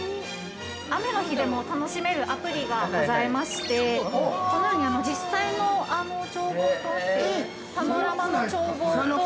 ◆雨の日でも楽しめるアプリがございましてこのように実際の眺望としてパノラマの眺望と◆